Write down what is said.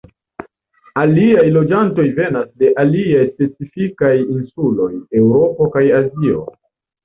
Aliaj loĝantoj venas de aliaj pacifikaj insuloj, Eŭropo kaj Azio.